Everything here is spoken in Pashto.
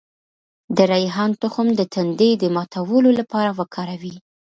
د ریحان تخم د تندې د ماتولو لپاره وکاروئ